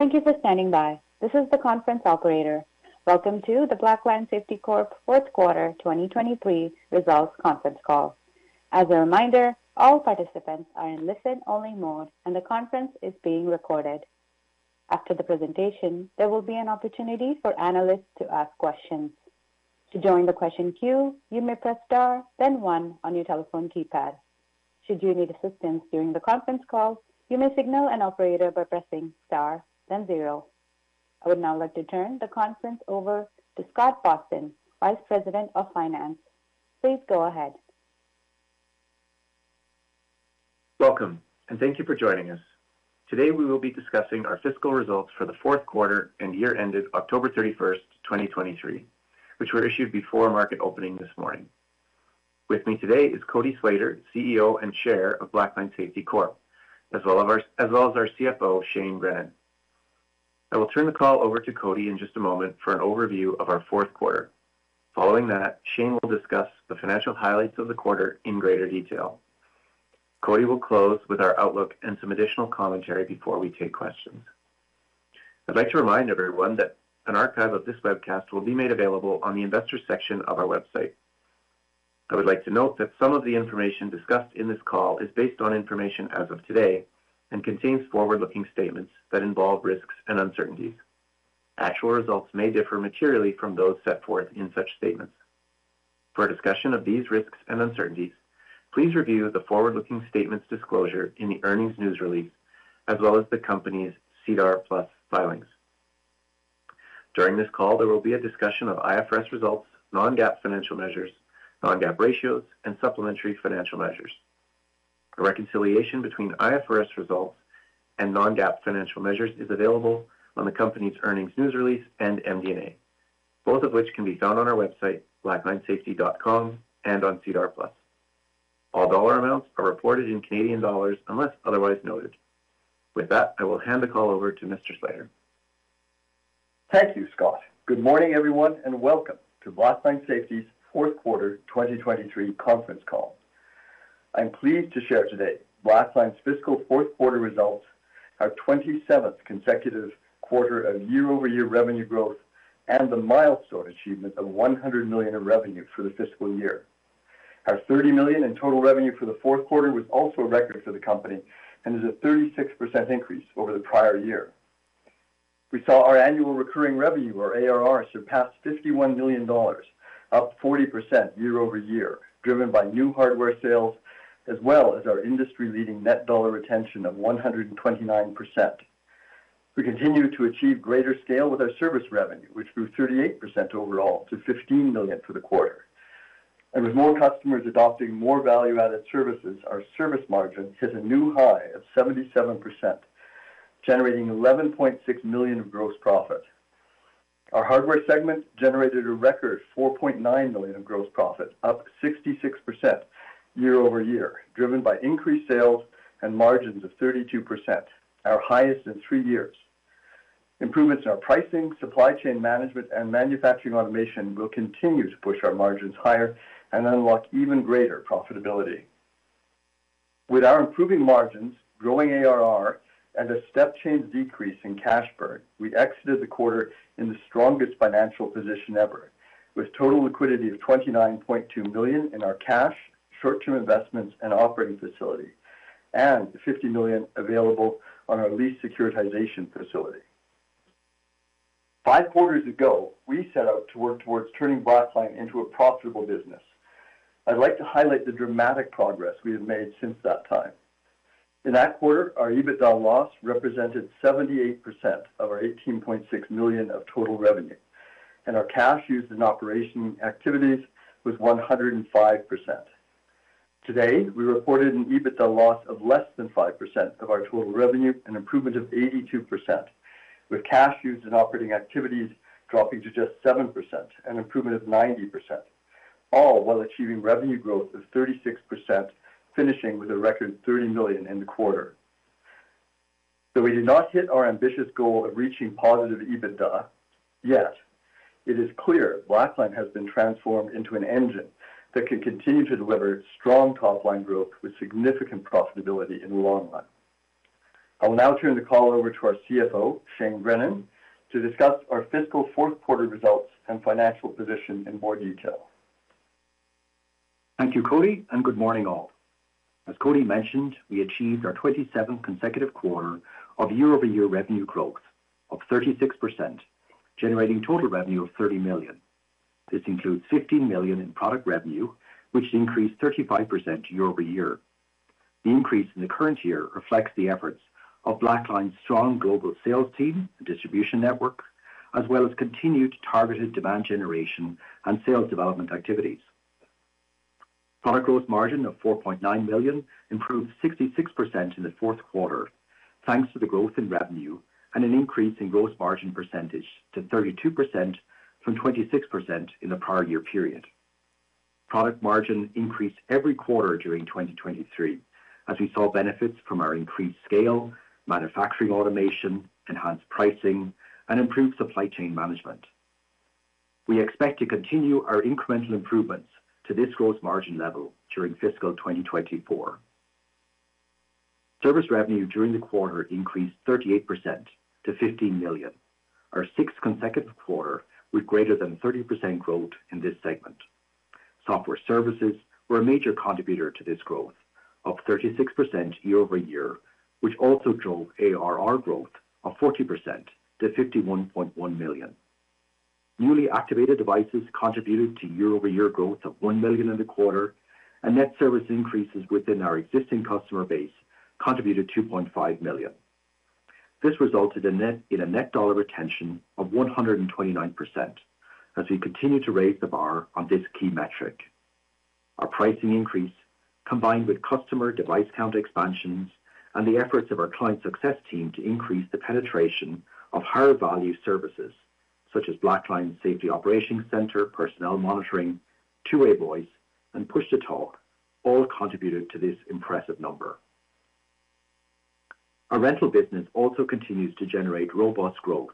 Welcome to the Blackline Safety Corp Fourth Quarter 2023 Results Conference Call. As a reminder, all participants are in listen-only mode, and the conference is being recorded. After the presentation, there will be an opportunity for analysts to ask questions. To join the question queue, you may press star, then one on your telephone keypad. Should you need assistance during the conference call, you may signal an operator by pressing star, then zero. I would now like to turn the conference over to Scott Boston, Vice President of Finance. Please go ahead. Welcome, and thank you for joining us. Today, we will be discussing our fiscal results for the fourth quarter and year-ended October 31, 2023, which were issued before market opening this morning. With me today is Cody Slater, CEO and Chair of Blackline Safety Corp, as well as our CFO, Shane Grennan. I will turn the call over to Cody in just a moment for an overview of our fourth quarter. Following that, Shane will discuss the financial highlights of the quarter in greater detail. Cody will close with our outlook and some additional commentary before we take questions. I'd like to remind everyone that an archive of this webcast will be made available on the investor section of our website. I would like to note that some of the information discussed in this call is based on information as of today and contains forward-looking statements that involve risks and uncertainties. Actual results may differ materially from those set forth in such statements. For a discussion of these risks and uncertainties, please review the forward-looking statements disclosure in the earnings news release, as well as the company's SEDAR+ filings. During this call, there will be a discussion of IFRS results, non-GAAP financial measures, non-GAAP ratios, and supplementary financial measures. A reconciliation between IFRS results and non-GAAP financial measures is available on the company's earnings news release and MD&A, both of which can be found on our website, blacklinesafety.com, and on SEDAR+. All dollar amounts are reported in Canadian dollars unless otherwise noted. With that, I will hand the call over to Mr. Slater. Thank you, Scott. Good morning, everyone, and welcome to Blackline Safety's Fourth Quarter 2023 Conference Call. I'm pleased to share today Blackline's fiscal fourth quarter results, our 27th consecutive quarter of year-over-year revenue growth, and the milestone achievement of 100 million in revenue for the fiscal year. Our 30 million in total revenue for the fourth quarter was also a record for the company and is a 36% increase over the prior year. We saw our annual recurring revenue, or ARR, surpass 51 million dollars, up 40% year over year, driven by new hardware sales, as well as our industry-leading net dollar retention of 129%. We continue to achieve greater scale with our service revenue, which grew 38% overall to 15 million for the quarter. With more customers adopting more value-added services, our service margin hit a new high of 77%, generating 11.6 million of gross profit. Our hardware segment generated a record 4.9 million of gross profit, up 66% year-over-year, driven by increased sales and margins of 32%, our highest in 3 years. Improvements in our pricing, supply chain management, and manufacturing automation will continue to push our margins higher and unlock even greater profitability. With our improving margins, growing ARR, and a step-change decrease in cash burn, we exited the quarter in the strongest financial position ever, with total liquidity of 29.2 million in our cash, short-term investments, and operating facility, and 50 million available on our lease securitization facility. 5 quarters ago, we set out to work towards turning Blackline into a profitable business. I'd like to highlight the dramatic progress we have made since that time. In that quarter, our EBITDA loss represented 78% of our 18.6 million of total revenue, and our cash used in operating activities was 105%. Today, we reported an EBITDA loss of less than 5% of our total revenue, an improvement of 82%, with cash used in operating activities dropping to just 7%, an improvement of 90%, all while achieving revenue growth of 36%, finishing with a record 30 million in the quarter. So we did not hit our ambitious goal of reaching positive EBITDA, yet it is clear Blackline has been transformed into an engine that can continue to deliver strong top-line growth with significant profitability in the long run. I will now turn the call over to our CFO, Shane Grennan, to discuss our fiscal fourth quarter results and financial position in more detail. Thank you, Cody, and good morning, all. As Cody mentioned, we achieved our 27th consecutive quarter of year-over-year revenue growth of 36%, generating total revenue of 30 million. This includes 15 million in product revenue, which increased 35% year-over-year. The increase in the current year reflects the efforts of Blackline's strong global sales team and distribution network, as well as continued targeted demand generation and sales development activities. Product gross margin of 4.9 million improved 66% in the fourth quarter, thanks to the growth in revenue and an increase in gross margin percentage to 32% from 26% in the prior year period. Product margin increased every quarter during 2023, as we saw benefits from our increased scale, manufacturing automation, enhanced pricing, and improved supply chain management.... We expect to continue our incremental improvements to this gross margin level during fiscal 2024. Service revenue during the quarter increased 38% to 15 million, our sixth consecutive quarter with greater than 30% growth in this segment. Software services were a major contributor to this growth, up 36% year-over-year, which also drove ARR growth of 40% to 51.1 million. Newly activated devices contributed to year-over-year growth of 1 million in the quarter, and net service increases within our existing customer base contributed 2.5 million. This resulted in a net dollar retention of 129%, as we continue to raise the bar on this key metric. Our pricing increase, combined with customer device count expansions and the efforts of our client success team to increase the penetration of higher value services, such as Blackline's Safety Operations Center, Personnel Monitoring, Two-Way Voice, and Push-to-Talk, all contributed to this impressive number. Our rental business also continues to generate robust growth,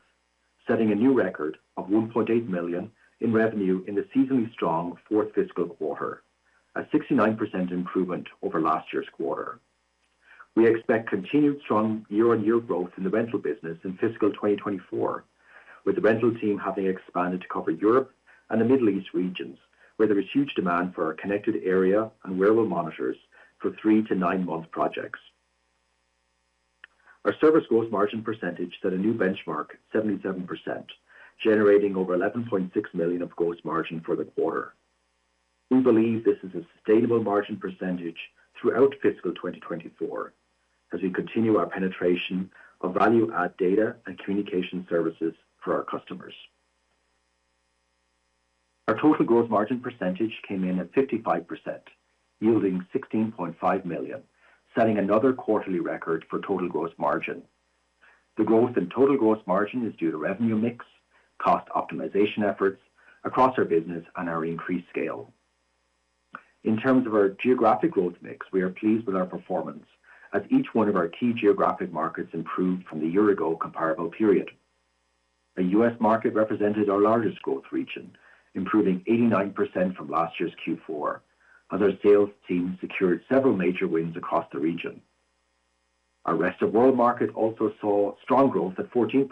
setting a new record of 1.8 million in revenue in the seasonally strong fourth fiscal quarter, a 69% improvement over last year's quarter. We expect continued strong year-on-year growth in the rental business in fiscal 2024, with the rental team having expanded to cover Europe and the Middle East regions, where there is huge demand for our connected area and wearable monitors for 3- to 9-month projects. Our service gross margin percentage set a new benchmark, 77%, generating over 11.6 million of gross margin for the quarter. We believe this is a sustainable margin percentage throughout fiscal 2024, as we continue our penetration of value-add data and communication services for our customers. Our total gross margin percentage came in at 55%, yielding 16.5 million, setting another quarterly record for total gross margin. The growth in total gross margin is due to revenue mix, cost optimization efforts across our business, and our increased scale. In terms of our geographic growth mix, we are pleased with our performance, as each one of our key geographic markets improved from the year-ago comparable period. The U.S. market represented our largest growth region, improving 89% from last year's Q4, as our sales team secured several major wins across the region. Our Rest of World market also saw strong growth at 14%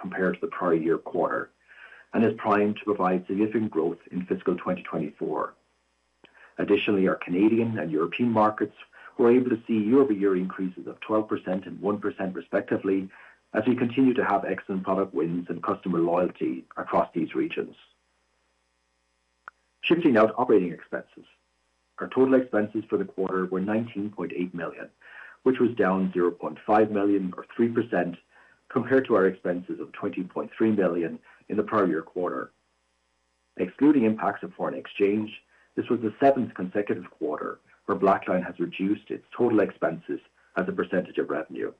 compared to the prior year quarter, and is primed to provide significant growth in fiscal 2024. Additionally, our Canadian and European markets were able to see year-over-year increases of 12% and 1%, respectively, as we continue to have excellent product wins and customer loyalty across these regions. Shifting now to operating expenses. Our total expenses for the quarter were 19.8 million, which was down 0.5 million, or 3%, compared to our expenses of 20.3 million in the prior year quarter. Excluding impacts of foreign exchange, this was the seventh consecutive quarter where Blackline has reduced its total expenses as a percentage of revenue.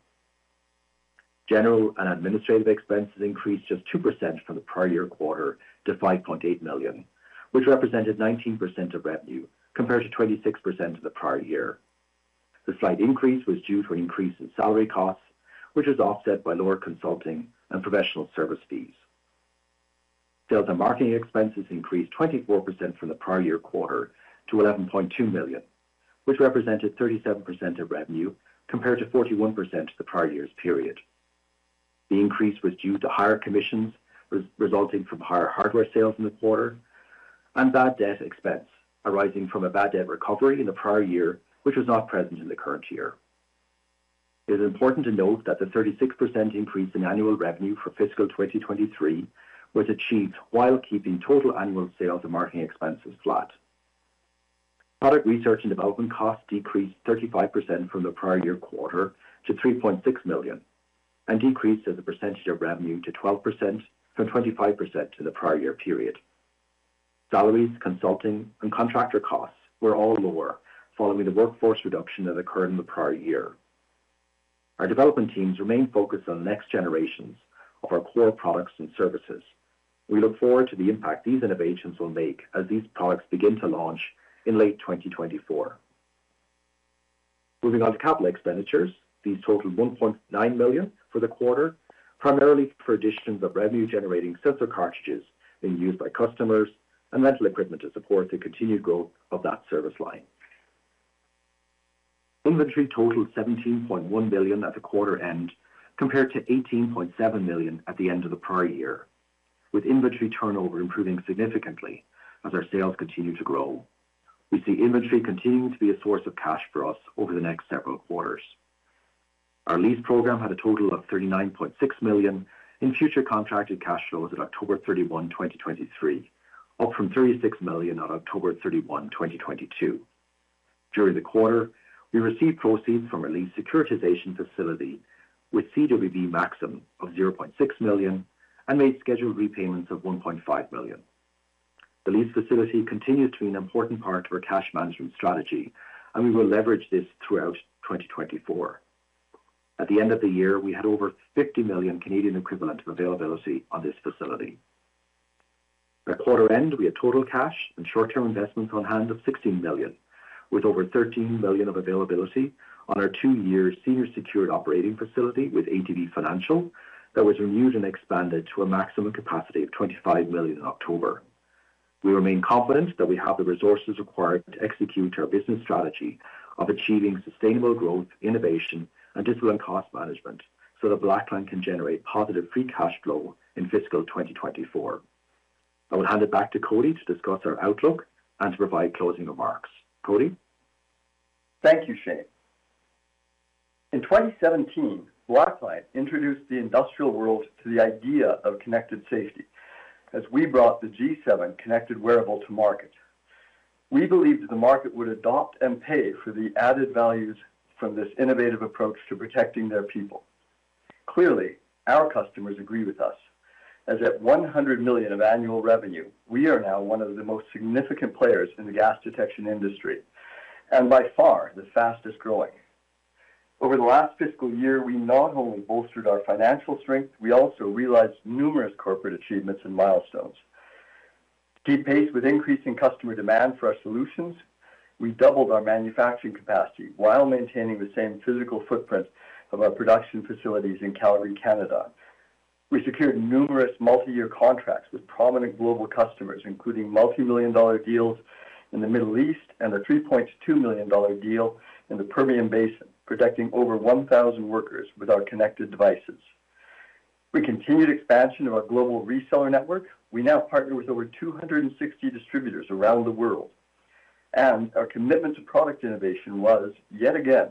General and administrative expenses increased just 2% from the prior year quarter to 5.8 million, which represented 19% of revenue, compared to 26% of the prior year. The slight increase was due to an increase in salary costs, which is offset by lower consulting and professional service fees. Sales and marketing expenses increased 24% from the prior year quarter to 11.2 million, which represented 37% of revenue, compared to 41% of the prior year's period. The increase was due to higher commissions, resulting from higher hardware sales in the quarter, and bad debt expense arising from a bad debt recovery in the prior year, which was not present in the current year. It is important to note that the 36% increase in annual revenue for fiscal 2023 was achieved while keeping total annual sales and marketing expenses flat. Product research and development costs decreased 35% from the prior year quarter to 3.6 million, and decreased as a percentage of revenue to 12% from 25% to the prior year period. Salaries, consulting, and contractor costs were all lower following the workforce reduction that occurred in the prior year. Our development teams remain focused on next generations of our core products and services. We look forward to the impact these innovations will make as these products begin to launch in late 2024. Moving on to capital expenditures. These totaled 1.9 million for the quarter, primarily for additions of revenue-generating sensor cartridges being used by customers and rental equipment to support the continued growth of that service line. Inventory totaled 17.1 million at the quarter end, compared to 18.7 million at the end of the prior year, with inventory turnover improving significantly as our sales continue to grow. We see inventory continuing to be a source of cash for us over the next several quarters. Our lease program had a total of 39.6 million in future contracted cash flows at October 31, 2023, up from 36 million on October 31, 2022. During the quarter, we received proceeds from our lease securitization facility, with CWB Maxium of 0.6 million, and made scheduled repayments of 1.5 million. The lease facility continues to be an important part of our cash management strategy, and we will leverage this throughout 2024. At the end of the year, we had over 50 million Canadian equivalent of availability on this facility. At quarter end, we had total cash and short-term investments on hand of 16 million.... with over 13 million of availability on our 2-year senior secured operating facility with ATB Financial, that was renewed and expanded to a maximum capacity of 25 million in October. We remain confident that we have the resources required to execute our business strategy of achieving sustainable growth, innovation, and disciplined cost management, so that Blackline can generate positive free cash flow in fiscal 2024. I will hand it back to Cody to discuss our outlook and to provide closing remarks. Cody? Thank you, Shane. In 2017, Blackline introduced the industrial world to the idea of connected safety, as we brought the G7 Connected Wearable to market. We believed that the market would adopt and pay for the added values from this innovative approach to protecting their people. Clearly, our customers agree with us, as at 100 million of annual revenue, we are now one of the most significant players in the gas detection industry, and by far, the fastest-growing. Over the last fiscal year, we not only bolstered our financial strength, we also realized numerous corporate achievements and milestones. To keep pace with increasing customer demand for our solutions, we doubled our manufacturing capacity while maintaining the same physical footprint of our production facilities in Calgary, Canada. We secured numerous multi-year contracts with prominent global customers, including multimillion-dollar deals in the Middle East and a $3.2 million deal in the Permian Basin, protecting over 1,000 workers with our connected devices. We continued expansion of our global reseller network. We now partner with over 260 distributors around the world, and our commitment to product innovation was, yet again,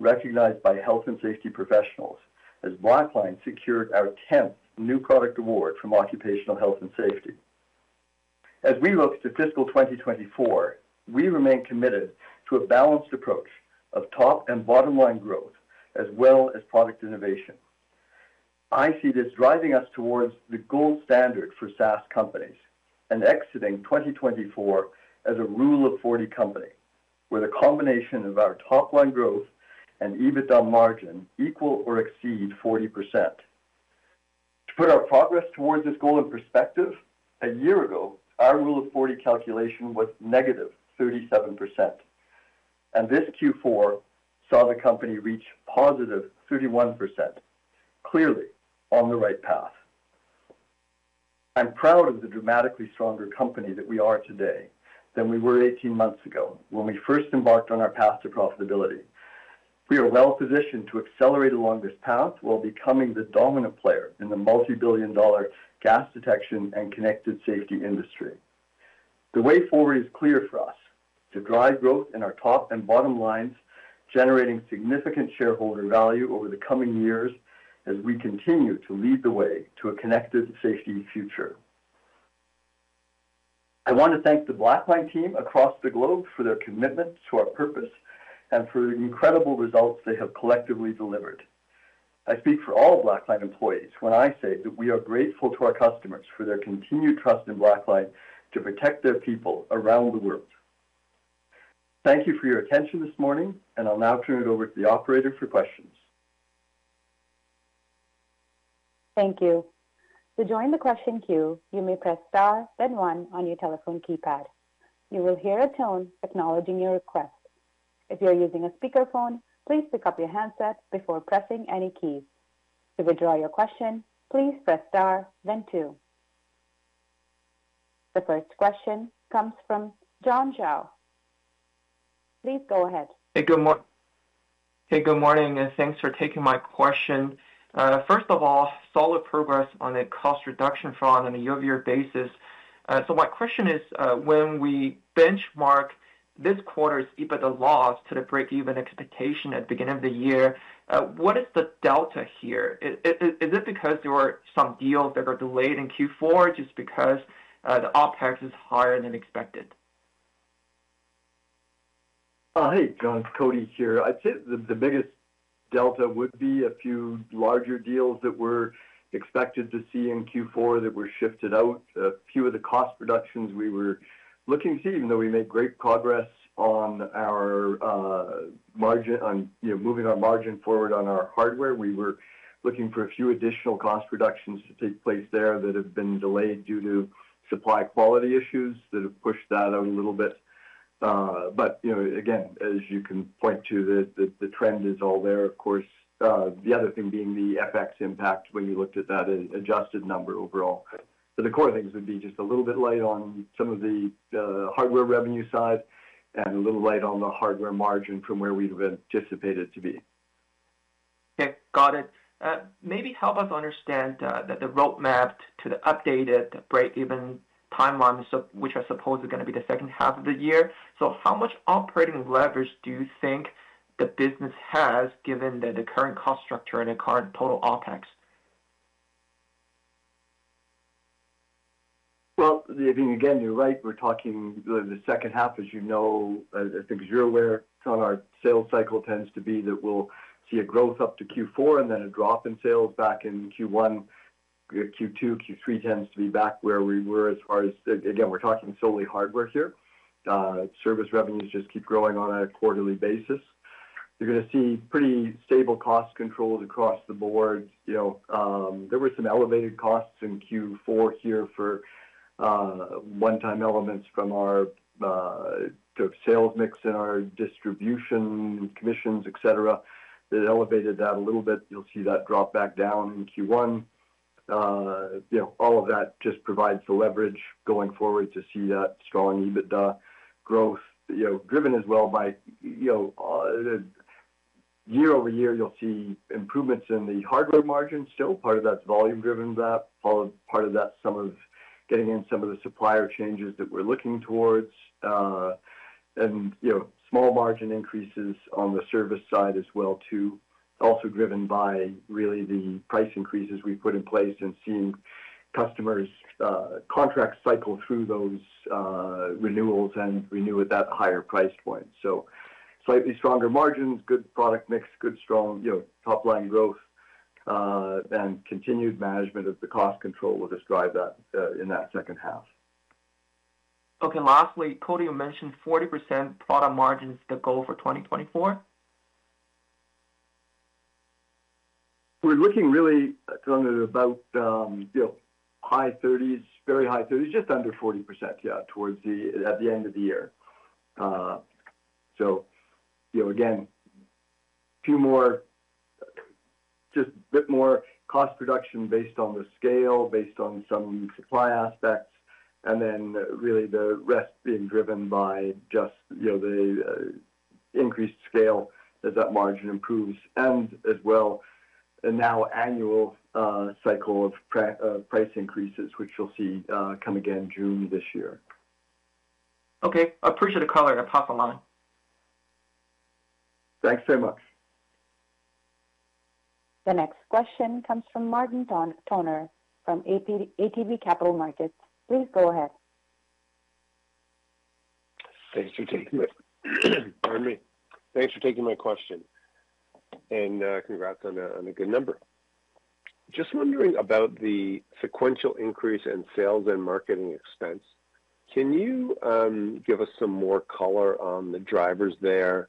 recognized by health and safety professionals, as Blackline secured our tenth New Product Award from Occupational Health & Safety. As we look to fiscal 2024, we remain committed to a balanced approach of top and bottom-line growth, as well as product innovation. I see this driving us towards the gold standard for SaaS companies and exiting 2024 as a Rule of 40 company, where the combination of our top-line growth and EBITDA margin equal or exceed 40%. To put our progress towards this goal in perspective, a year ago, our Rule of 40 calculation was negative 37%, and this Q4 saw the company reach positive 31%, clearly on the right path. I'm proud of the dramatically stronger company that we are today than we were 18 months ago, when we first embarked on our path to profitability. We are well-positioned to accelerate along this path while becoming the dominant player in the multibillion-dollar gas detection and connected safety industry. The way forward is clear for us: to drive growth in our top and bottom lines, generating significant shareholder value over the coming years as we continue to lead the way to a connected safety future. I want to thank the Blackline team across the globe for their commitment to our purpose and for the incredible results they have collectively delivered. I speak for all Blackline employees when I say that we are grateful to our customers for their continued trust in Blackline to protect their people around the world. Thank you for your attention this morning, and I'll now turn it over to the operator for questions. Thank you. To join the question queue, you may press star, then one on your telephone keypad. You will hear a tone acknowledging your request. If you are using a speakerphone, please pick up your handset before pressing any keys. To withdraw your question, please press Star then two. The first question comes from John Shao. Please go ahead. Hey, good morning, and thanks for taking my question. First of all, solid progress on the cost reduction front on a year-over-year basis. So my question is, when we benchmark this quarter's EBITDA loss to the breakeven expectation at the beginning of the year, what is the delta here? Is this because there were some deals that were delayed in Q4, just because the OpEx is higher than expected? Hey, John, it's Cody here. I'd say the biggest delta would be a few larger deals that we're expected to see in Q4 that were shifted out. A few of the cost reductions we were looking to see, even though we made great progress on our margin on... You know, moving our margin forward on our hardware, we were looking for a few additional cost reductions to take place there that have been delayed due to supply quality issues that have pushed that out a little bit. But, you know, again, as you can point to, the trend is all there, of course, the other thing being the FX impact when you looked at that adjusted number overall. The core things would be just a little bit light on some of the hardware revenue side and a little bit light on the hardware margin from where we'd anticipated to be. Okay. Got it. Maybe help us understand that the roadmap to the updated breakeven timelines, so which I suppose are gonna be the second half of the year. So how much operating leverage do you think the business has, given the current cost structure and the current total OpEx? Well, I mean, again, you're right, we're talking the second half, as you know, I think as you're aware, on our sales cycle tends to be that we'll see a growth up to Q4 and then a drop in sales back in Q1. Q2, Q3 tends to be back where we were as far as. Again, we're talking solely hardware here. Service revenues just keep growing on a quarterly basis. You're gonna see pretty stable cost controls across the board. You know, there were some elevated costs in Q4 here for one-time elements from our sales mix and our distribution commissions, et cetera. It elevated that a little bit. You'll see that drop back down in Q1. You know, all of that just provides the leverage going forward to see that strong EBITDA growth, you know, driven as well by, you know, year over year, you'll see improvements in the hardware margins. Still, part of that's volume driven, that part, part of that, some of getting in some of the supplier changes that we're looking towards. And, you know, small margin increases on the service side as well, too. Also driven by really the price increases we put in place and seeing customers, contract cycle through those, renewals and renew at that higher price point. So slightly stronger margins, good product mix, good, strong, you know, top line growth, and continued management of the cost control will just drive that, in that second half. Okay, lastly, Cody, you mentioned 40% product margin is the goal for 2024? We're looking really about, you know, high 30s, very high 30s, just under 40%, yeah, towards the, at the end of the year. So, you know, again, two more, just a bit more cost reduction based on the scale, based on some supply aspects, and then really the rest being driven by just, you know, the, increased scale as that margin improves and as well, the now annual, cycle of price increases, which you'll see, come again June this year. Okay, I appreciate the color and I'll pass along. Thanks very much. The next question comes from Martin Toner from ATB Capital Markets. Please go ahead. Thanks for taking it. Pardon me. Thanks for taking my question, and congrats on a good number. Just wondering about the sequential increase in sales and marketing expense. Can you give us some more color on the drivers there?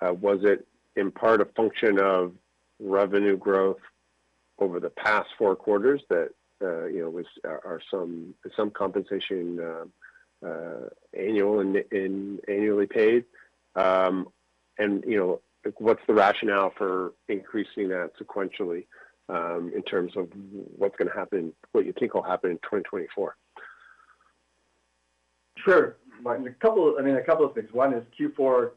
Was it in part a function of revenue growth over the past four quarters that you know are some compensation annual and annually paid? And you know, what's the rationale for increasing that sequentially in terms of what's gonna happen, what you think will happen in 2024? Sure. Martin, a couple, I mean, a couple of things. One is Q4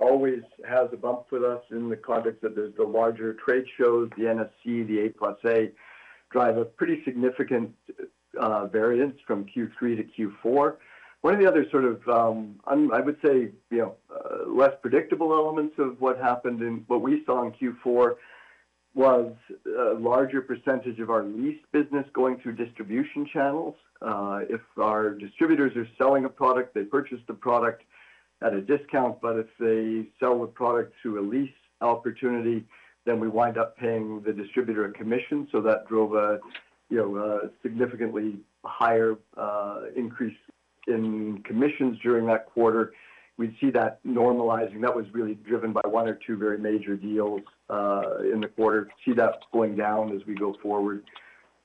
always has a bump with us in the context of the larger trade shows. The NSC, the A+A, drive a pretty significant variance from Q3 to Q4. One of the other sort of, I would say, you know, less predictable elements of what happened in what we saw in Q4 was a larger percentage of our lease business going through distribution channels. If our distributors are selling a product, they purchase the product at a discount, but if they sell the product to a lease opportunity, then we wind up paying the distributor a commission. So that drove a, you know, a significantly higher increase in commissions during that quarter. We'd see that normalizing. That was really driven by one or two very major deals in the quarter. See that going down as we go forward.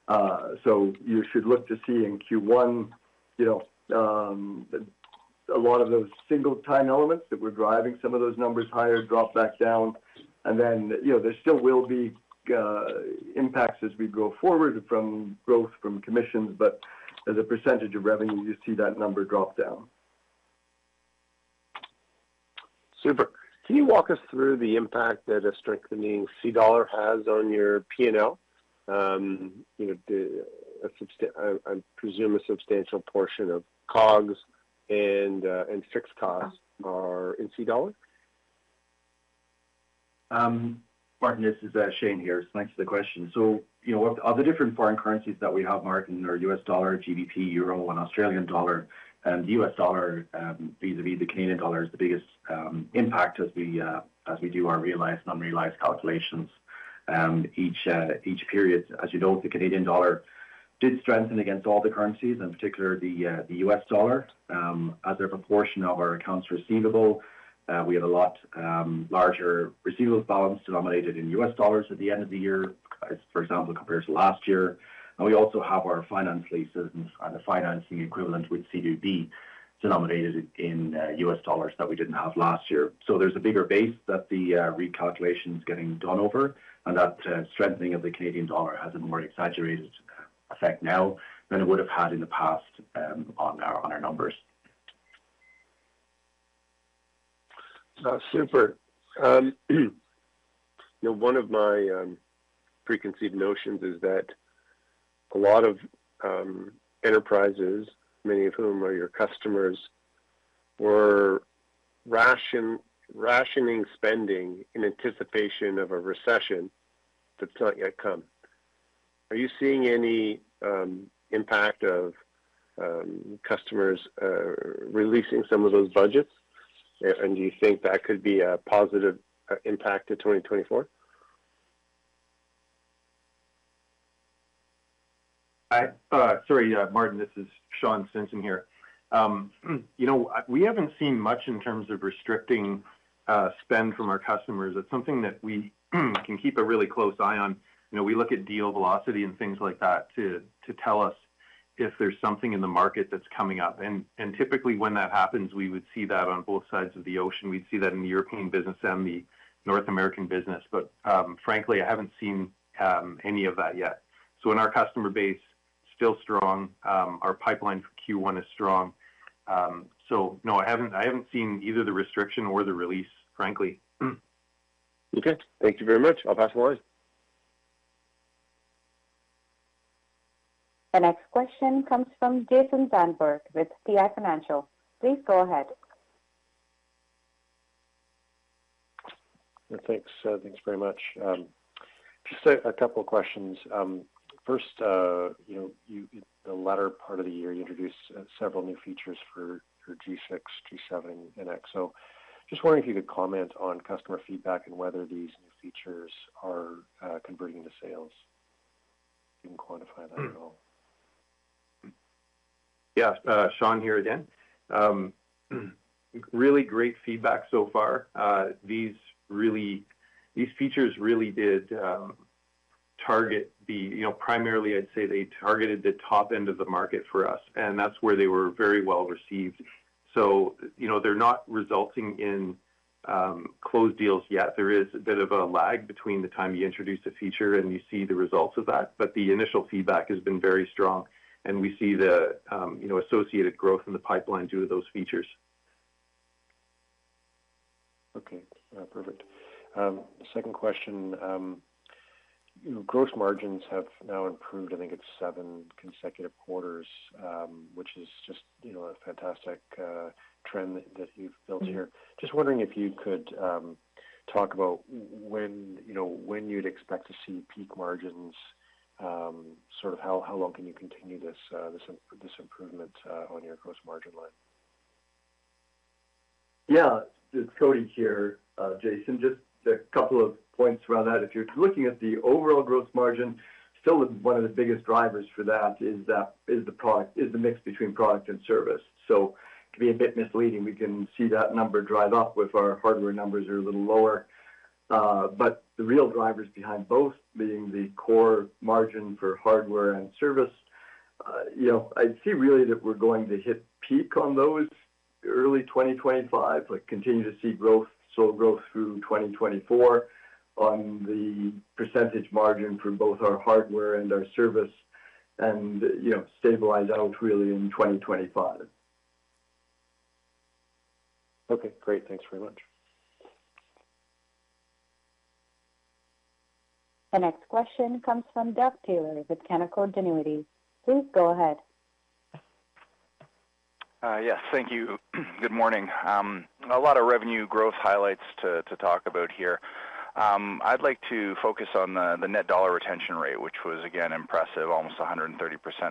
So you should look to see in Q1, you know, a lot of those one-time elements that were driving some of those numbers higher, drop back down, and then, you know, there still will be impacts as we go forward from growth from commissions, but as a percentage of revenue, you see that number drop down. Super. Can you walk us through the impact that a strengthening Canadian dollar has on your P&L? You know, I presume a substantial portion of COGS and fixed costs are in Canadian dollar. Martin, this is Shane here. Thanks for the question. So, you know, of the different foreign currencies that we have, Martin, are US dollar, GBP, Euro and Australian dollar, and the US dollar vis-a-vis the Canadian dollar is the biggest impact as we do our realized, non-realized calculations each period. As you know, the Canadian dollar did strengthen against all the currencies, in particular the US dollar. As a proportion of our accounts receivable, we have a lot larger receivables balance denominated in US dollars at the end of the year, as for example, compared to last year. And we also have our finance leases and the financing equivalent with CWB, denominated in US dollars that we didn't have last year. So there's a bigger base that the recalculation is getting done over, and that strengthening of the Canadian dollar has a more exaggerated effect now than it would have had in the past, on our numbers. Super. You know, one of my preconceived notions is that a lot of enterprises, many of whom are your customers, were rationing spending in anticipation of a recession that's not yet come. Are you seeing any impact of customers releasing some of those budgets? And do you think that could be a positive impact to 2024? Sorry, Martin, this is Sean Stinson here. You know, we haven't seen much in terms of restricting spend from our customers. It's something that we can keep a really close eye on. You know, we look at deal velocity and things like that to tell us if there's something in the market that's coming up. And typically when that happens, we would see that on both sides of the ocean. We'd see that in the European business and the North American business. But frankly, I haven't seen any of that yet. So in our customer base, still strong. Our pipeline for Q1 is strong. So no, I haven't seen either the restriction or the release, frankly. Okay, thank you very much. I'll pass the line. The next question comes from Jason Zandberg with PI Financial. Please go ahead. Yeah, thanks. Thanks very much. Just a couple of questions. First, you know, the latter part of the year, you introduced several new features for G6, G7, EXO. So just wondering if you could comment on customer feedback and whether these new features are converting to sales? You can quantify that at all? Yeah, Sean here again. Really great feedback so far. These really—these features really did target the... You know, primarily, I'd say they targeted the top end of the market for us, and that's where they were very well received. So you know, they're not resulting in closed deals yet. There is a bit of a lag between the time you introduce a feature and you see the results of that, but the initial feedback has been very strong, and we see the, you know, associated growth in the pipeline due to those features. Okay, perfect. Second question. You know, gross margins have now improved, I think it's seven consecutive quarters, which is just, you know, a fantastic, trend that you've built here. Just wondering if you could talk about when, you know, when you'd expect to see peak margins? Sort of how long can you continue this improvement on your gross margin line? Yeah, it's Cody here, Jason. Just a couple of points around that. If you're looking at the overall gross margin, still one of the biggest drivers for that is the mix between product and service, so can be a bit misleading. We can see that number drive up with our hardware numbers are a little lower. But the real drivers behind both being the core margin for hardware and service, you know, I'd see really that we're going to hit peak on those early 2025, but continue to see growth, so growth through 2024 on the percentage margin for both our hardware and our service and, you know, stabilize out really in 2025. Okay, great. Thanks very much. The next question comes from Doug Taylor with Canaccord Genuity. Please go ahead. Yes, thank you. Good morning. A lot of revenue growth highlights to talk about here. I'd like to focus on the Net Dollar Retention rate, which was again impressive, almost 130%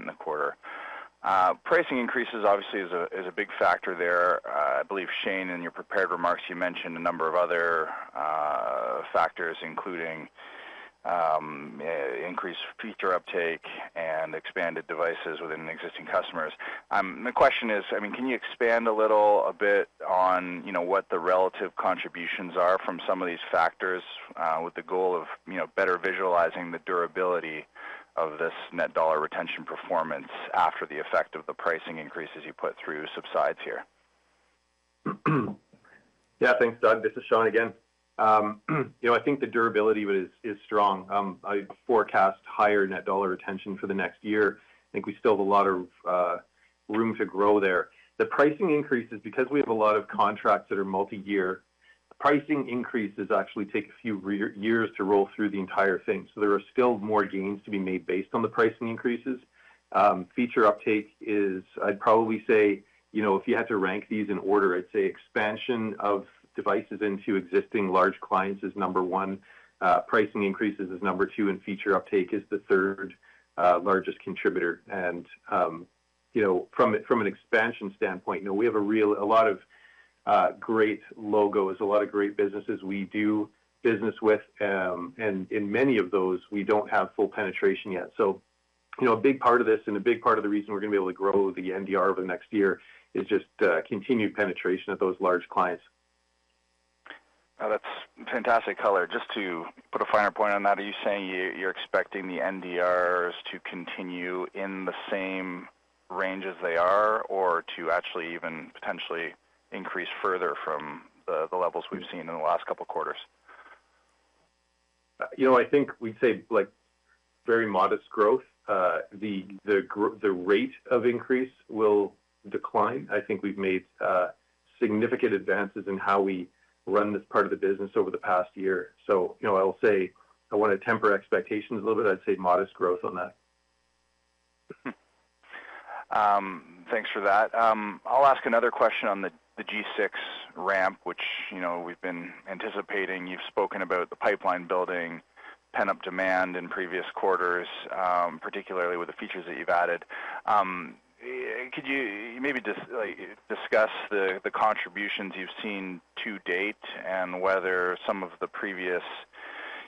in the quarter. Pricing increases obviously is a big factor there. I believe, Shane, in your prepared remarks, you mentioned a number of other factors, including increased feature uptake and expanded devices within existing customers. The question is, I mean, can you expand a little, a bit on, you know, what the relative contributions are from some of these factors, with the goal of, you know, better visualizing the durability of this Net Dollar Retention performance after the effect of the pricing increases you put through subsides here? Yeah. Thanks, Doug. This is Sean again. You know, I think the durability is strong. I forecast higher net dollar retention for the next year. I think we still have a lot of room to grow there. The pricing increases, because we have a lot of contracts that are multi-year, the pricing increases actually take a few years to roll through the entire thing, so there are still more gains to be made based on the pricing increases. Feature uptake is... I'd probably say, you know, if you had to rank these in order, I'd say expansion of devices into existing large clients is number one, pricing increases is number two, and feature uptake is the third largest contributor. You know, from an expansion standpoint, you know, we have a lot of great logos, a lot of great businesses we do business with, and in many of those, we don't have full penetration yet. So, you know, a big part of this and a big part of the reason we're gonna be able to grow the NDR over the next year is just continued penetration of those large clients. That's fantastic color. Just to put a finer point on that, are you saying you, you're expecting the NDRs to continue in the same range as they are, or to actually even potentially increase further from the, the levels we've seen in the last couple of quarters? You know, I think we'd say, like, very modest growth. The rate of increase will decline. I think we've made significant advances in how we run this part of the business over the past year. So, you know, I'll say I want to temper expectations a little bit. I'd say modest growth on that. Thanks for that. I'll ask another question on the, the G6 ramp, which, you know, we've been anticipating. You've spoken about the pipeline building, pent-up demand in previous quarters, particularly with the features that you've added. Could you maybe just, like, discuss the, the contributions you've seen to date and whether some of the previous,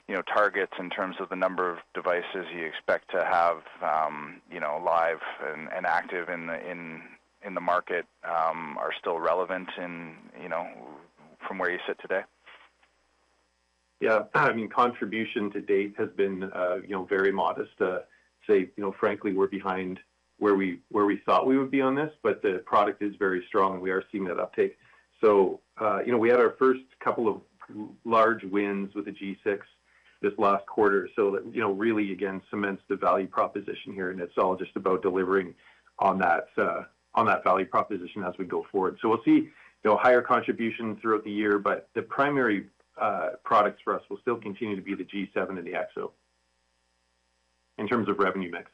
you know, targets in terms of the number of devices you expect to have, you know, live and, and active in the, in, in the market, are still relevant in, you know, from where you sit today? Yeah, I mean, contribution to date has been, you know, very modest. Say, you know, frankly, we're behind where we thought we would be on this, but the product is very strong, and we are seeing that uptake. So, you know, we had our first couple of large wins with the G6 this last quarter. So that, you know, really, again, cements the value proposition here, and it's all just about delivering on that value proposition as we go forward. So we'll see, you know, higher contribution throughout the year, but the primary products for us will still continue to be the G7 and the EXO in terms of revenue mix.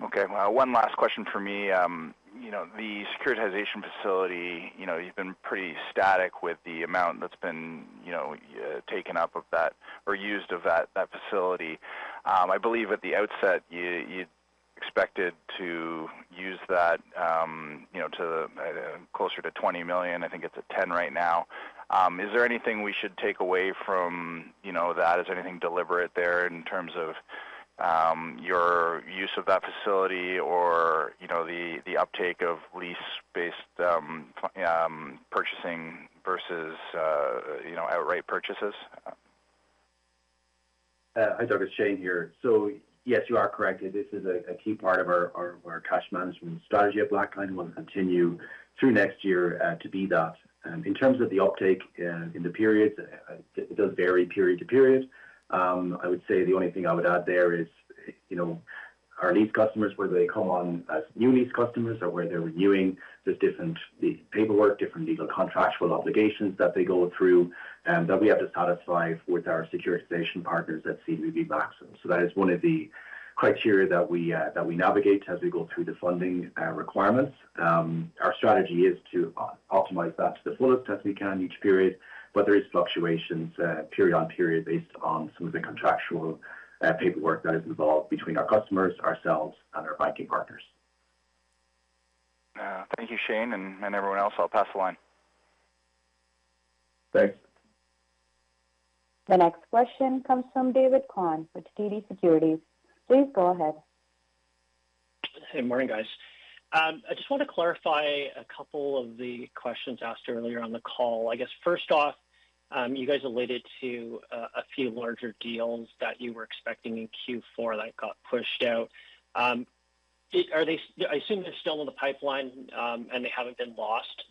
Okay, one last question for me. You know, the securitization facility, you know, you've been pretty static with the amount that's been, you know, taken up of that or used of that, that facility. I believe at the outset, you, you expected to use that, you know, to, closer to 20 million. I think it's at 10 million right now. Is there anything we should take away from, you know, that? Is anything deliberate there in terms of, your use of that facility or, you know, the, the uptake of lease-based, purchasing versus, you know, outright purchases? Hi, Douglas, Shane here. So yes, you are correct. This is a key part of our cash management strategy at Blackline and will continue through next year to be that. In terms of the uptake in the periods, it does vary period to period. I would say the only thing I would add there is, you know, our lease customers, whether they come on as new lease customers or where they're renewing, there's different paperwork, different legal contractual obligations that they go through that we have to satisfy with our securitization partners at CWB Maxium. So that is one of the criteria that we navigate as we go through the funding requirements. Our strategy is to optimize that to the fullest as we can each period, but there is fluctuations, period on period based on some of the contractual, paperwork that is involved between our customers, ourselves, and our banking partners. Thank you, Shane, and everyone else. I'll pass the line. Thanks. The next question comes from David Kwan with TD Securities. Please go ahead. Hey, morning, guys. I just want to clarify a couple of the questions asked earlier on the call. I guess, first off, you guys alluded to a few larger deals that you were expecting in Q4 that got pushed out. Are they—I assume they're still in the pipeline, and they haven't been lost?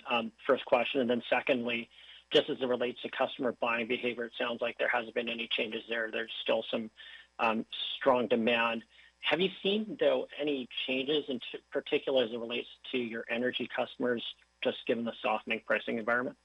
First question, and then secondly, just as it relates to customer buying behavior, it sounds like there hasn't been any changes there. There's still some strong demand. Have you seen, though, any changes, in particular, as it relates to your energy customers, just given the softening pricing environment?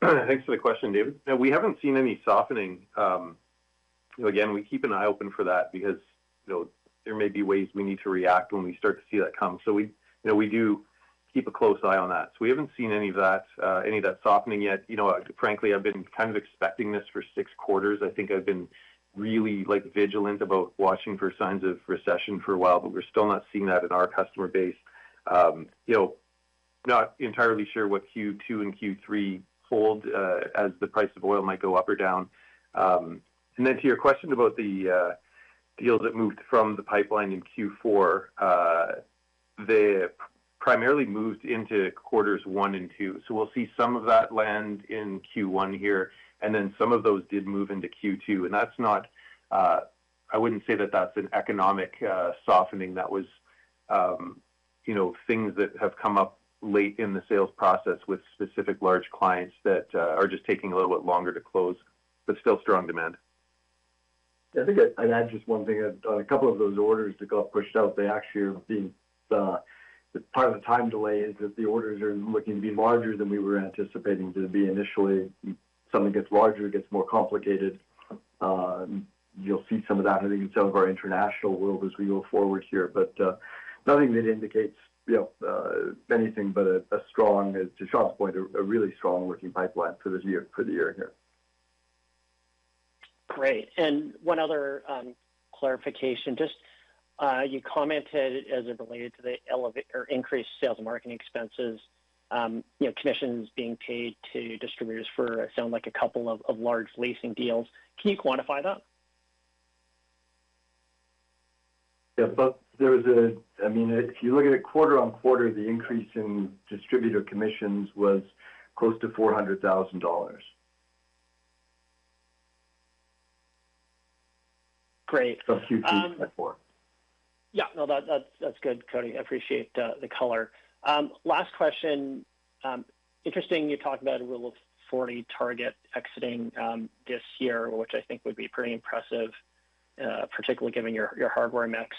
Thanks for the question, David. No, we haven't seen any softening. Again, we keep an eye open for that because, you know, there may be ways we need to react when we start to see that come. So we, you know, we do keep a close eye on that. So we haven't seen any of that, any of that softening yet. You know, frankly, I've been kind of expecting this for six quarters. I think I've been really, like, vigilant about watching for signs of recession for a while, but we're still not seeing that in our customer base. You know, not entirely sure what Q2 and Q3 hold, as the price of oil might go up or down. And then to your question about the, deals that moved from the pipeline in Q4, they primarily moved into quarters 1 and 2. So we'll see some of that land in Q1 here, and then some of those did move into Q2, and that's not. I wouldn't say that that's an economic softening. That was, you know, things that have come up late in the sales process with specific large clients that are just taking a little bit longer to close, but still strong demand. I think I'd add just one thing. A couple of those orders that got pushed out, they actually are being part of the time delay is that the orders are looking to be larger than we were anticipating them to be initially. Something gets larger, it gets more complicated. You'll see some of that, I think, in some of our international world as we go forward here. But nothing that indicates, you know, anything but a strong, as to Sean's point, a really strong working pipeline for this year—for the year here. Great. And one other clarification. Just, you commented as it related to the elevated or increased sales and marketing expenses, you know, commissions being paid to distributors for, it sounds like a couple of large leasing deals. Can you quantify that? Yeah, but there was a—I mean, if you look at it quarter-over-quarter, the increase in distributor commissions was close to 400,000 dollars. Great. Q3, Q4. Yeah, no, that, that's, that's good, Cody. I appreciate the color. Last question. Interesting, you talked about a Rule of Forty target exiting this year, which I think would be pretty impressive, particularly given your hardware mix.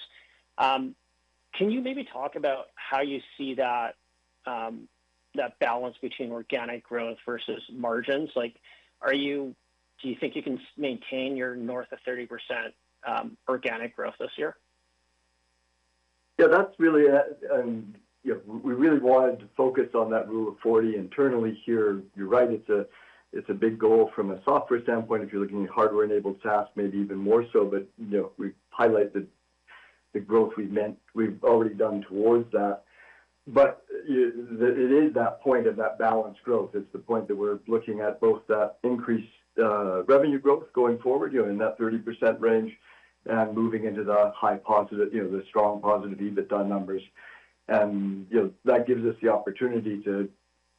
Can you maybe talk about how you see that balance between organic growth versus margins? Like, are you—do you think you can maintain your north of 30% organic growth this year? Yeah, that's really, you know, we really wanted to focus on that Rule of Forty internally here. You're right, it's a, it's a big goal from a software standpoint. If you're looking at hardware-enabled SaaS, maybe even more so. But, you know, we've highlighted the growth we've made we've already done towards that. But it is that point of that balanced growth. It's the point that we're looking at both that increased, revenue growth going forward, you know, in that 30% range, and moving into the high positive, you know, the strong positive EBITDA numbers. And, you know, that gives us the opportunity to,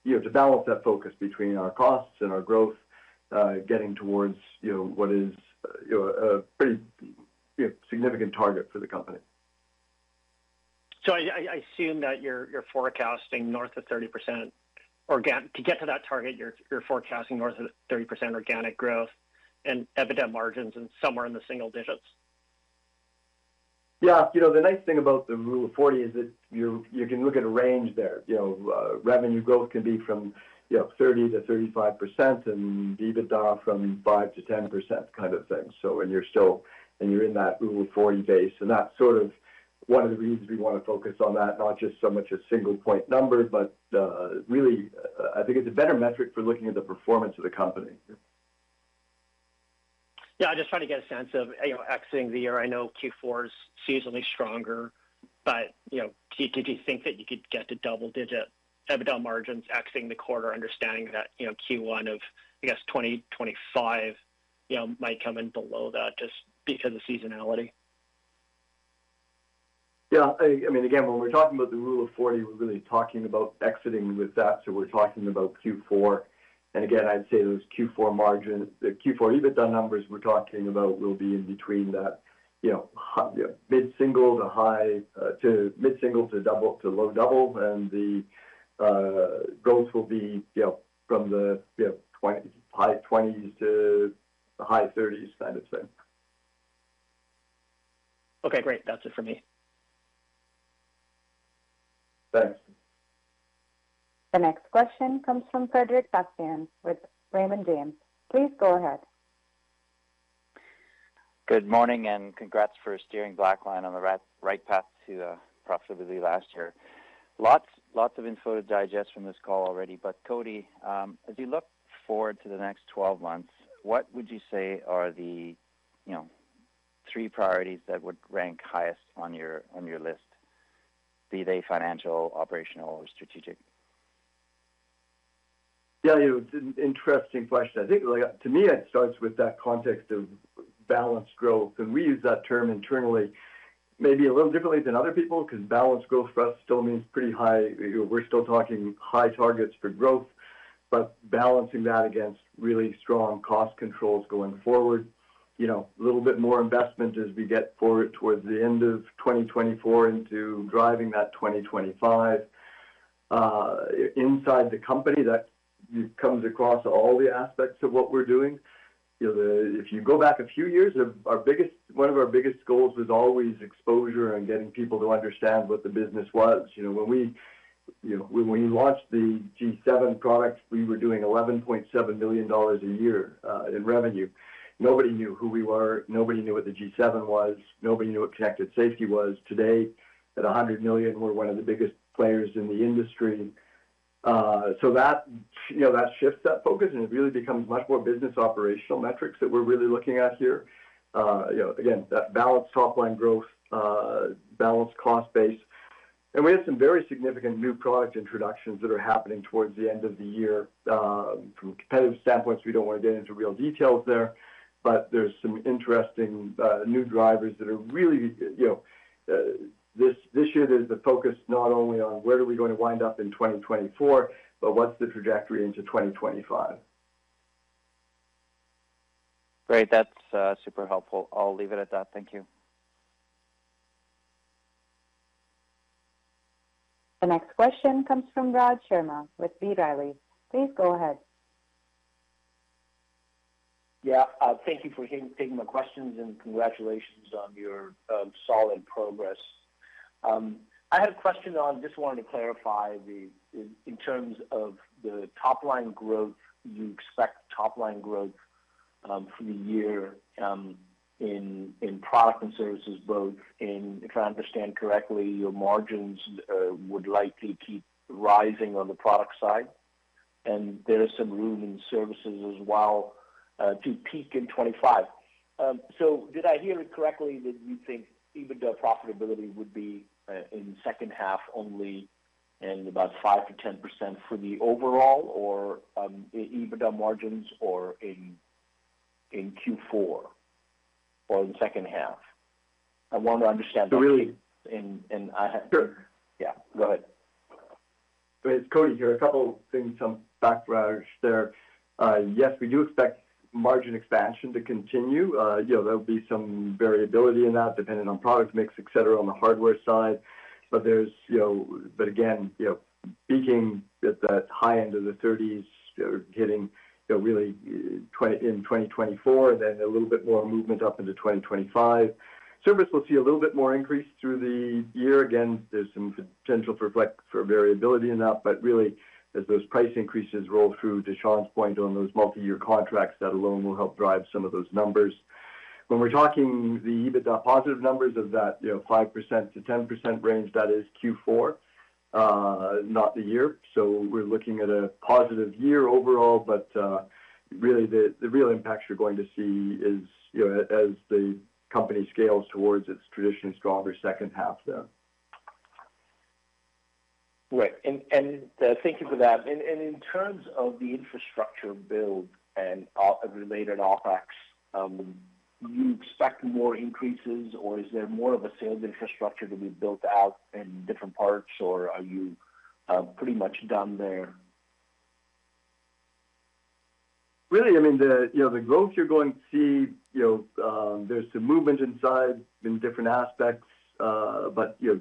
you know, to balance that focus between our costs and our growth, getting towards, you know, what is, you know, a pretty, you know, significant target for the company. So I assume that you're forecasting north of 30% organic. To get to that target, you're forecasting north of 30% organic growth and EBITDA margins and somewhere in the single digits? Yeah. You know, the nice thing about the Rule of Forty is that you, you can look at a range there. You know, revenue growth can be from, you know, 30%-35%, and EBITDA from 5%-10% kind of thing. So, and you're still in that Rule of Forty basis, and that's sort of one of the reasons we want to focus on that, not just so much a single point number, but really, I think it's a better metric for looking at the performance of the company. Yeah, I'm just trying to get a sense of, you know, exiting the year. I know Q4 is seasonally stronger, but, you know, do you think that you could get to double-digit EBITDA margins exiting the quarter, understanding that, you know, Q1 of, I guess, 2025, you know, might come in below that just because of seasonality? Yeah, I mean, again, when we're talking about the Rule of Forty, we're really talking about exiting with that. So we're talking about Q4. And again, I'd say those Q4 margins—the Q4 EBITDA numbers we're talking about will be in between that, you know, high—mid-single to high, to mid-single to double, to low double. And the growth will be, you know, from the, you know, high 20s to the high 30s kind of thing. Okay, great. That's it for me. Thanks. The next question comes from Frederic Bastien with Raymond James. Please go ahead. Good morning, and congrats for steering Blackline on the right path to profitability last year. Lots, lots of info to digest from this call already, but Cody, as you look forward to the next 12 months, what would you say are the, you know, three priorities that would rank highest on your list, be they financial, operational, or strategic? Yeah, you know, it's an interesting question. I think, like, to me, it starts with that context of balanced growth, and we use that term internally, maybe a little differently than other people, because balanced growth for us still means pretty high. We're still talking high targets for growth, but balancing that against really strong cost controls going forward. You know, a little bit more investment as we get forward towards the end of 2024 into driving that 2025. Inside the company, that comes across all the aspects of what we're doing. You know, if you go back a few years, one of our biggest goals was always exposure and getting people to understand what the business was. You know, when we, you know, when we launched the G7 product, we were doing 11.7 billion dollars a year, in revenue. Nobody knew who we were, nobody knew what the G7 was, nobody knew what connected safety was. Today, at 100 million, we're one of the biggest players in the industry. So that, you know, that shifts that focus, and it really becomes much more business operational metrics that we're really looking at here. You know, again, that balanced top-line growth, balanced cost base. And we have some very significant new product introductions that are happening towards the end of the year. From a competitive standpoint, we don't want to get into real details there, but there's some interesting, new drivers that are really, you know... This year there's a focus not only on where are we going to wind up in 2024, but what's the trajectory into 2025. Great. That's super helpful. I'll leave it at that. Thank you. The next question comes from Raj Sharma with B. Riley. Please go ahead. Yeah, thank you for taking my questions, and congratulations on your solid progress. I had a question on—just wanted to clarify the, in terms of the top-line growth. You expect top-line growth, for the year, in product and services, both in... If I understand correctly, your margins would likely keep rising on the product side, and there is some room in services as well, to peak in 25. So did I hear it correctly, that you think EBITDA profitability would be in second half only and about 5%-10% for the overall, or EBITDA margins, or in Q4 or in the second half? I want to understand that- So really— And I have— Sure. Yeah, go ahead. It's Cody here. A couple things, some background there. Yes, we do expect margin expansion to continue. You know, there'll be some variability in that, depending on product mix, et cetera, on the hardware side. But there's, you know. But again, you know, peaking at that high end of the thirties, hitting, you know, really, in 2024, and then a little bit more movement up into 2025. Service will see a little bit more increase through the year. Again, there's some potential for flex, for variability in that, but really, as those price increases roll through, Sean's point on those multiyear contracts, that alone will help drive some of those numbers. When we're talking the EBITDA positive numbers of that, you know, 5%-10% range, that is Q4, not the year. So we're looking at a positive year overall, but really, the real impacts you're going to see is, you know, as the company scales towards its traditionally stronger second half there. Right. And thank you for that. And in terms of the infrastructure build and related OpEx, do you expect more increases, or is there more of a sales infrastructure to be built out in different parts, or are you pretty much done there? Really, I mean, the you know the growth you're going to see, you know, there's some movement inside in different aspects, but, you know,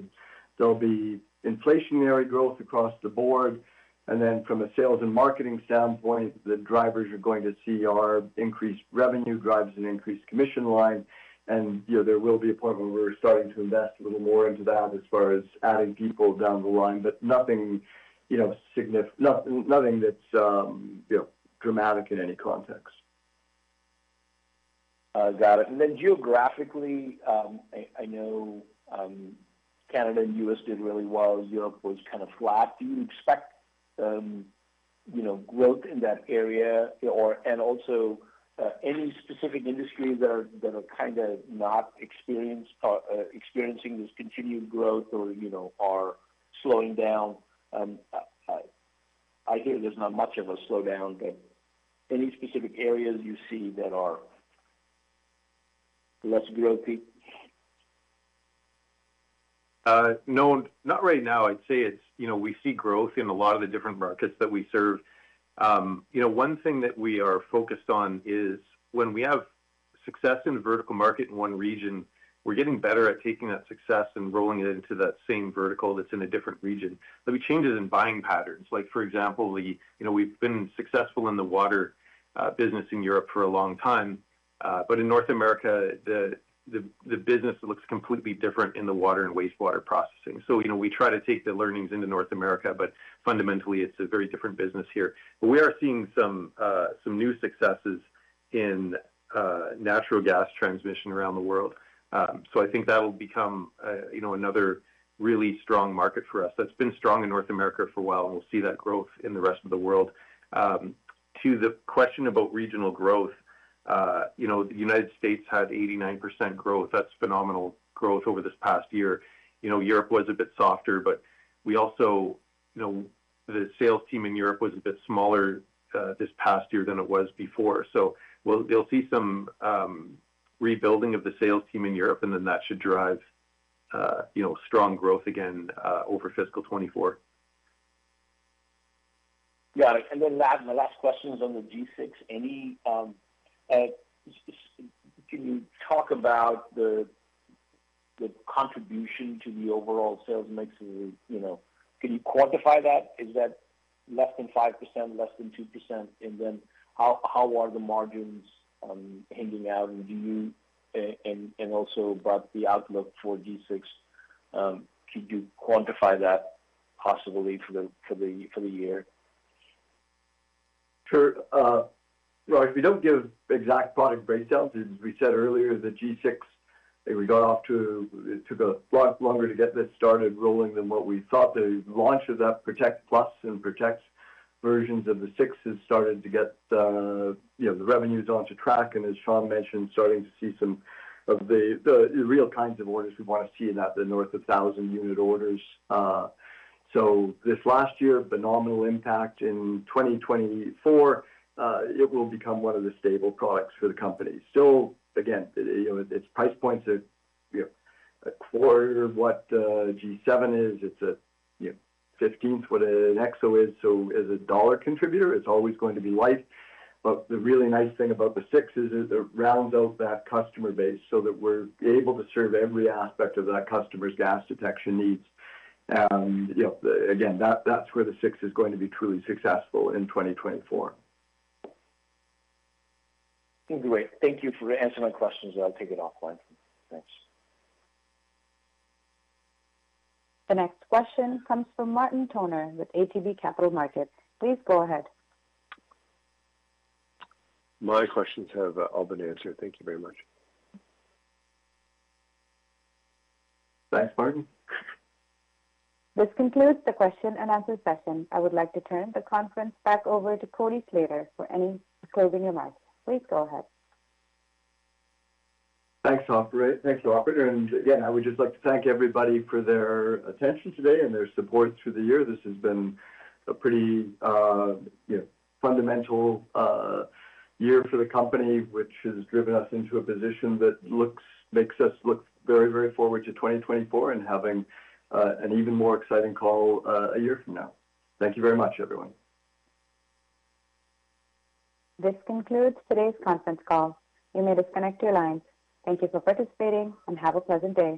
there'll be inflationary growth across the board. And then from a sales and marketing standpoint, the drivers you're going to see are increased revenue drives an increased commission line. And, you know, there will be a point where we're starting to invest a little more into that as far as adding people down the line, but nothing, you know, nothing that's, you know, dramatic in any context. Got it. And then geographically, I know, Canada and U.S. did really well. Europe was kind of flat. Do you expect, you know, growth in that area, or... And also, any specific industries that are kind of not experiencing this continued growth or, you know, are slowing down? I hear there's not much of a slowdown, but any specific areas you see that are less growth peak? No, not right now. I'd say it's, you know, we see growth in a lot of the different markets that we serve. You know, one thing that we are focused on is when we have success in a vertical market in one region, we're getting better at taking that success and rolling it into that same vertical that's in a different region. There'll be changes in buying patterns. Like, for example, the, you know, we've been successful in the water business in Europe for a long time, but in North America, the business looks completely different in the water and wastewater processing. So, you know, we try to take the learnings into North America, but fundamentally, it's a very different business here. But we are seeing some new successes in natural gas transmission around the world. So I think that'll become, you know, another really strong market for us. That's been strong in North America for a while, and we'll see that growth in the rest of the world. To the question about regional growth, you know, the United States had 89% growth. That's phenomenal growth over this past year. You know, Europe was a bit softer, but we also, you know, the sales team in Europe was a bit smaller, this past year than it was before. So you'll see some rebuilding of the sales team in Europe, and then that should drive, you know, strong growth again, over fiscal 2024. Got it. And then the last question is on the G6. Can you talk about the contribution to the overall sales mix? You know, can you quantify that? Is that less than 5%, less than 2%? And then how are the margins panning out, and do you and also about the outlook for G6, could you quantify that possibly for the year? Sure. Well, we don't give exact product breakdowns. As we said earlier, the G6, it took a lot longer to get this started rolling than what we thought. The launch of that Protect Plus and Protect versions of the G6 has started to get, you know, the revenues onto track, and as Sean mentioned, starting to see some of the, the real kinds of orders we want to see in that, the north of 1,000-unit orders. So this last year, phenomenal impact. In 2024, it will become one of the staple products for the company. So again, you know, its price points are, you know, a quarter of what G7 is. It's a, you know, fifteenth what an EXO is, so as a dollar contributor, it's always going to be light. But the really nice thing about the G6 is it rounds out that customer base so that we're able to serve every aspect of that customer's gas detection needs. And, you know, again, that, that's where the G6 is going to be truly successful in 2024. Great. Thank you for answering my questions, and I'll take it offline. Thanks. The next question comes from Martin Toner with ATB Capital Markets. Please go ahead. My questions have all been answered. Thank you very much. Thanks, Martin. This concludes the question and answer session. I would like to turn the conference back over to Cody Slater for any closing remarks. Please go ahead. Thanks, operator. Thanks, operator, and again, I would just like to thank everybody for their attention today and their support through the year. This has been a pretty, you know, fundamental year for the company, which has driven us into a position that makes us look very, very forward to 2024 and having an even more exciting call a year from now. Thank you very much, everyone. This concludes today's conference call. You may disconnect your lines. Thank you for participating, and have a pleasant day.